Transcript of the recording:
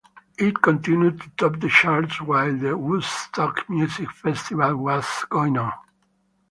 It continued to top the charts while the Woodstock Music Festival was going on.